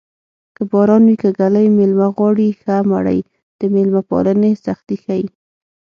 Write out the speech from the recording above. که باران وي که ږلۍ مېلمه غواړي ښه مړۍ د مېلمه پالنې سختي ښيي